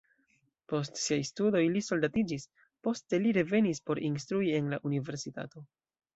Post siaj studoj li soldatiĝis, poste li revenis por instrui en la universitato.